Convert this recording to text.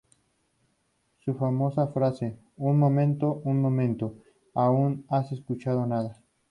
Su famosa frase "Un momento, un momento, aún no has escuchado nada!